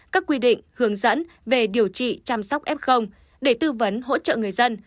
các quy định hướng dẫn về điều trị chăm sóc f để tư vấn hỗ trợ người dân